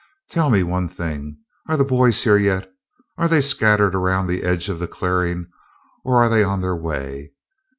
Tell me one thing are the boys here yet? Are they scattered around the edge of the clearing, or are they on the way?